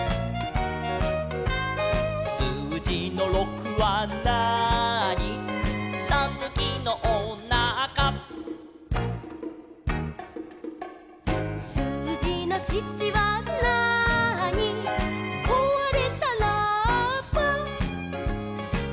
「すうじの６はなーに」「たぬきのおなか」「すうじの７はなーに」「こわれたラッパ」